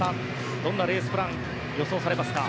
どんなレース予想されますか？